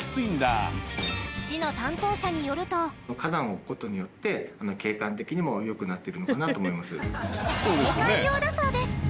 市の担当者によると花壇を置くことによって景観的にもよくなってるのかなと思います景観用だそうです